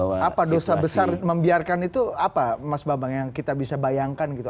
apa dosa besar membiarkan itu apa mas bambang yang kita bisa bayangkan gitu